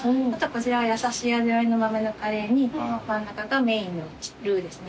こちらが優しい味わいの豆のカレーに真ん中がメインのルーですね。